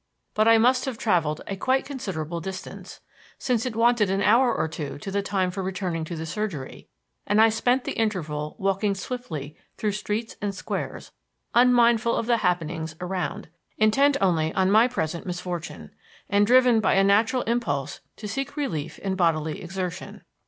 But I must have traveled a quite considerable distance, since it wanted an hour or two to the time for returning to the surgery, and I spent the interval walking swiftly through streets and squares, unmindful of the happenings around, intent only on my present misfortune, and driven by a natural impulse to seek relief in bodily exertion.